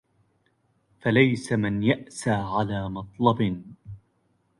فليسَ من يأسى على مطلبٍ